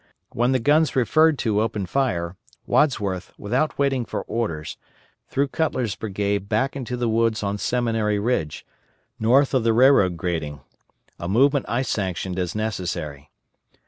When the guns referred to opened fire, Wadsworth, without waiting for orders, threw Cutler's brigade back into the woods on Seminary Ridge, north of the railroad grading; a movement I sanctioned as necessary.